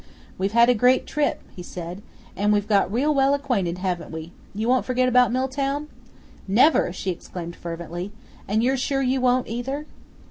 "We've had a great trip," he said, "and we've got real well acquainted, haven't we? You won't forget about Milltown?" "Never!" she exclaimed fervently; "and you're sure you won't, either?"